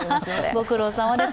ご苦労さまです